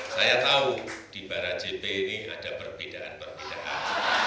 saya tahu di barat jp ini ada perbedaan perbedaan